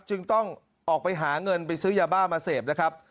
จึงต้องออกไปหาเงินไปซื้อยาบ้ามาเสพนะครับ